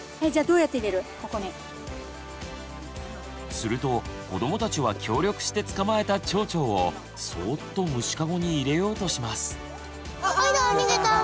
すると子どもたちは協力して捕まえたちょうちょうをそぉっと虫かごに入れようとします。